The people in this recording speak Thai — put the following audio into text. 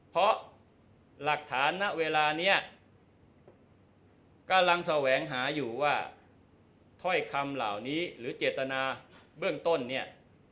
เพราะหลักฐานนั้นเวลาเนี้ย